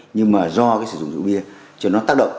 nhưng mà do cái sử dụng rượu bia cho nó tác động